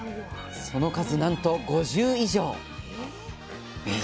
その数なんと５０以上え